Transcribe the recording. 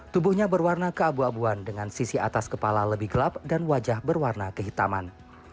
tubuhnya berwarna keabu abuan dengan sisi atas kepala lebih gelap dan wajah berwarna kehitaman